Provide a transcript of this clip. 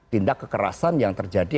tindak kekerasan yang terjadi